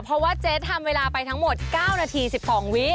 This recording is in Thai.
เพราะว่าเจ๊ทำเวลาไปทั้งหมด๙นาที๑๒วิ